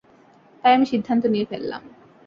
তাই আমি সিদ্ধান্ত নিয়ে ফেললাম।